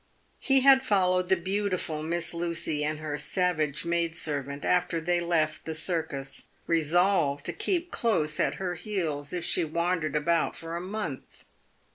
He had followed the beautiful Miss Lucy and her savage maid servant after they left the circus, resolved to keep close at her heels if she wandered about for a month.